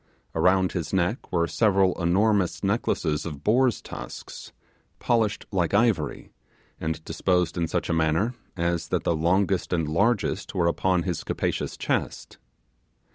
Around his neck were several enormous necklaces of boar's tusks, polished like ivory, and disposed in such a manner as that the longest and largest were upon his capacious chest.